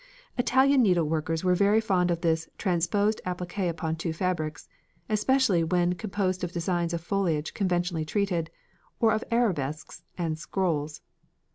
Italian needleworkers were very fond of this "transposed appliqué upon two fabrics," especially when composed of designs of foliage conventionally treated, or of arabesques and scrolls.